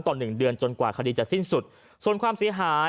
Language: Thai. และยืนยันเหมือนกันว่าจะดำเนินคดีอย่างถึงที่สุดนะครับ